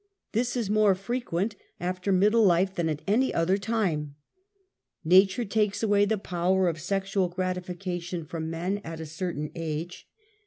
This is more frequent after SOCIAL EVIL. 115> middle life than at any other time. ^Tatiire takes away the power of sexual gratification from men at a certain age.